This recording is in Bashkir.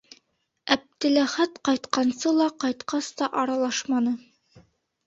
Әптеләхәт ҡайтҡансы ла, ҡайтҡас та аралашманы.